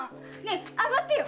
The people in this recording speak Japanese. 上がってよ。